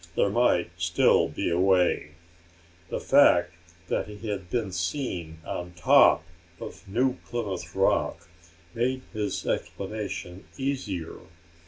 There might still be a way. The fact that he had been seen on top of New Plymouth Rock made his explanation easier.